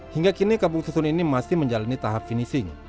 hingga kini kampung susun ini masih menjalani tahap finishing